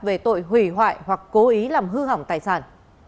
về tội hủy hoại hoặc cố ý làm hư hỏng tài sản